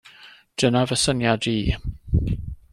Dyna fy syniad i.